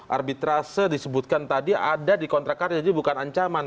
arbitrase disebutkan tadi ada di kontrak karya jadi bukan ancaman